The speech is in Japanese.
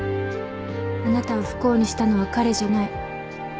あなたを不幸にしたのは彼じゃない。